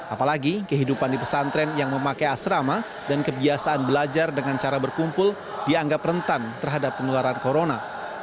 apalagi kehidupan di pesantren yang memakai asrama dan kebiasaan belajar dengan cara berkumpul dianggap rentan terhadap penularan corona